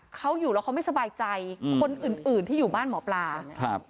เขาอยู่แล้วเขาไม่สบายใจอืมคนอื่นอื่นที่อยู่บ้านหมอปลาครับ